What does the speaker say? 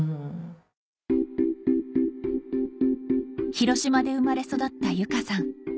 広島で生まれ育った由佳さん